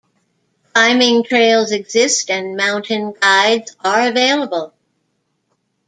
Climbing trails exist and mountain guides are available.